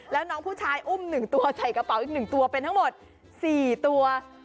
แล้วน้องผู้ชายอุ้ม๑ตัวใส่กระเป๋าอีก๑ตัวเป็นทั้งหมด๔ตัว